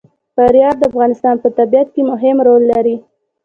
فاریاب د افغانستان په طبیعت کې مهم رول لري.